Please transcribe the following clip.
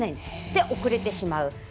それで遅れてしまう。